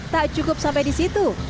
tak cukup sampai di situ